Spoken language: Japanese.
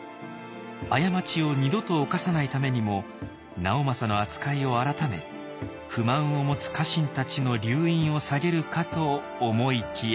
過ちを二度と犯さないためにも直政の扱いを改め不満を持つ家臣たちの留飲を下げるかと思いきや。